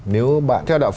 nếu bạn theo đạo phật